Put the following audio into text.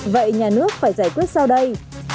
vậy nhà nước phải giải quyết sao đây